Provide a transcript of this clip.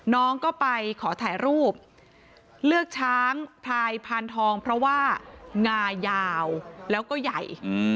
น้องก็ไปขอถ่ายรูปเลือกช้างพลายพานทองเพราะว่างายาวแล้วก็ใหญ่